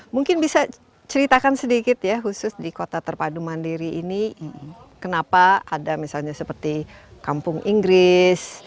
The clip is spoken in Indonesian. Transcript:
mungkin bisa ceritakan sedikit ya khusus di kota terpadu mandiri ini kenapa ada misalnya seperti kampung inggris